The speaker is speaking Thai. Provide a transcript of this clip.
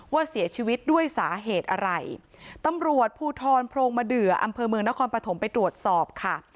ว่าเสียชีวิตด้วยสาเหตุอะไรตำรวจภูทรโพรงมะเดืออำเภอเมืองนครปฐมไปตรวจสอบค่ะ